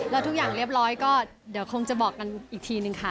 แล้วทุกอย่างเรียบร้อยก็เดี๋ยวคงจะบอกกันอีกทีนึงค่ะ